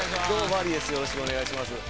よろしくお願いします。